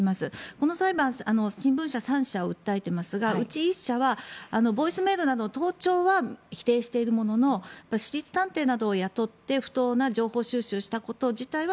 この裁判新聞社３社を訴えていますがうち１社はボイスメールなど盗聴は否定しているものの私立探偵などを雇って不当な情報収集をしたこと自体は